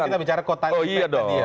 jadi kita bicara kotelipek tadi ya